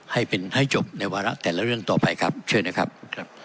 ให้เป็นให้จบในวาระแต่ละเรื่องต่อไปครับเชิญนะครับ